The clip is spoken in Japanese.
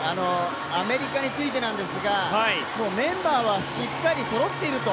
アメリカについてなんですがメンバーはしっかりそろっていると。